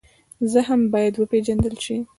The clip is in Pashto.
زخم باید وپېژندل شي.